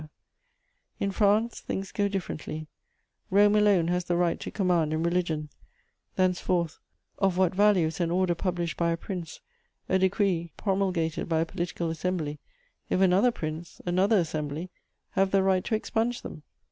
_ In France things go differently: Rome alone has the right to command in religion; thenceforth, of what value is an order published by a prince, a decree promulgated by a political assembly, if another prince, another assembly have the right to expunge them?